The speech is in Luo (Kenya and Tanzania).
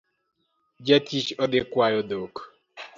Jatich odhii kwayo dhok